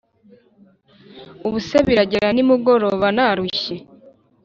ubuse biragera nimugoroba narushye